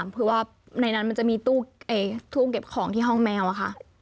เพราะว่าในนั้นมันจะมีตู้เก็บของที่ห้องแมวอะค่ะ